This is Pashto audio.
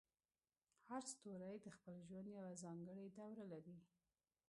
هر ستوری د خپل ژوند یوه ځانګړې دوره لري.